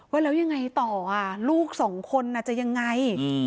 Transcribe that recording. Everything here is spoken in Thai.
ว่าแล้วยังไงต่ออะลูกสองคนน่ะจะยังไง